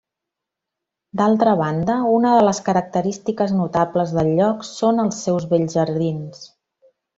D'altra banda, una de les característiques notables del lloc són els seus bells jardins.